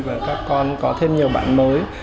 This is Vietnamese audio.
và các con có thêm nhiều bản mới